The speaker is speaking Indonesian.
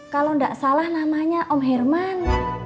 kalau tidak salah namanya om herman